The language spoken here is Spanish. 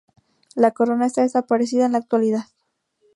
La corona está desaparecida en la actualidad.